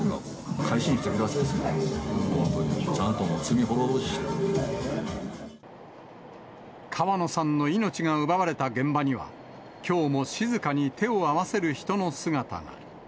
改心してくださいって、本当に、川野さんの命が奪われた現場には、きょうも静かに手を合わせる人の姿が。